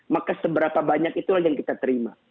maka seberapa banyak itulah yang kita terima